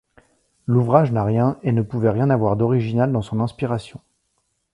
L'ouvrage n'a rien, et ne pouvait rien avoir d'original dans son inspiration.